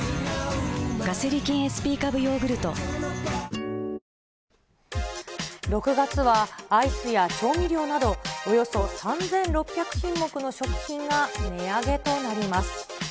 すみません損保ジャパン６月はアイスや調味料など、およそ３６００品目の食品が値上げとなります。